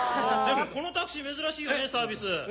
「でもこのタクシー珍しいよねサービス」